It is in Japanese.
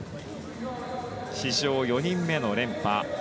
史上４人目の連覇。